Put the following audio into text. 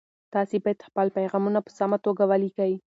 تاسي باید خپل پیغامونه په سمه توګه ولیکئ.